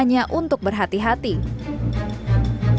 jangan lupa untuk beri penanyaan di kolom komentar